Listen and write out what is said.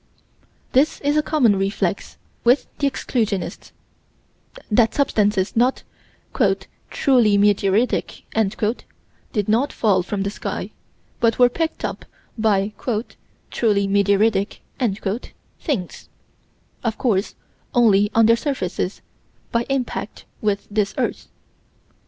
This is a common reflex with the exclusionists: that substances not "truly meteoritic" did not fall from the sky, but were picked up by "truly meteoritic" things, of course only on their surfaces, by impact with this earth.